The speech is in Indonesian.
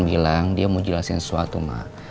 dia bilang dia mau jelasin sesuatu ma